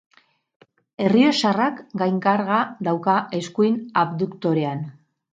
Errioxarrak gainkarga dauka eskuin abduktorean.